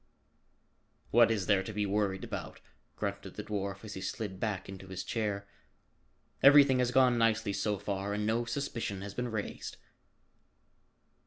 "What is there to be worried about?" grunted the dwarf as he slid back into his chair. "Everything has gone nicely so far and no suspicion has been raised."